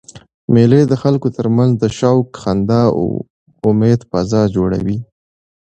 مېلې د خلکو ترمنځ د شوق، خندا او امېد فضا جوړوي.